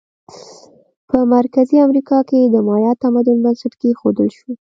په مرکزي امریکا کې د مایا تمدن بنسټ کېښودل شو.